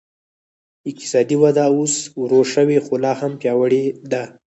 اقتصادي وده اوس ورو شوې خو لا هم پیاوړې ده.